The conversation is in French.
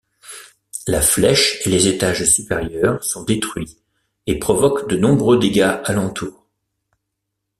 La flèche et les étages supérieurs sont détruits et provoquent de nombreux dégâts alentour.